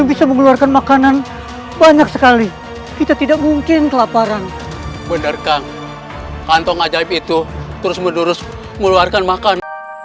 benarkah kantong ajaib itu terus menerus mengeluarkan makan